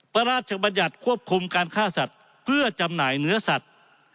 พระราชบัญญัติควบคุมการฆ่าสัตว์เพื่อจำหน่ายเนื้อสัตว์